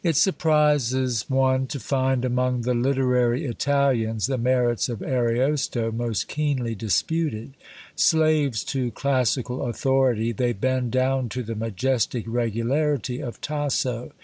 It surprises one to find among the literary Italians the merits of Ariosto most keenly disputed: slaves to classical authority, they bend down to the majestic regularity of Tasso.